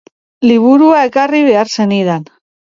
Liburua ekarri behar zenidan.